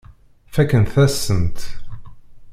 Fakkent-asen-tt.